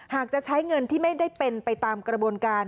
หากจะใช้เงินที่ไม่ได้เป็นไปตามกระบวนการ